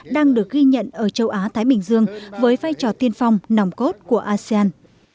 đang được ghi nhận ở châu á thái bình dương với vai trò tiên phong nòng cốt của asean